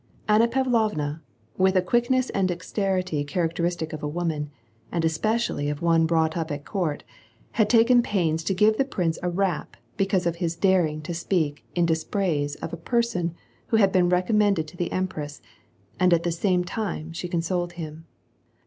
Anna Pav lovna, with a quickness and dexterity characteristic of a woman, and especially of one brought up at court, had taken pains to give the prince a rap because of his daring to speak in dis praise of a person who had been recommended to the empress, and at the same time she consoled him.